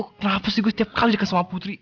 kenapa sih gue setiap kali deket sama putri